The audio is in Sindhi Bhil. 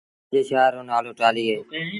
مآݩجي شآهر رو نآلو ٽآلهيٚ اهي